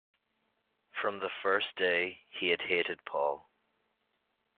From the first day he had hated Paul.